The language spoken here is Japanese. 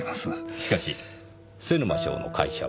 しかし瀬沼翔の会社は。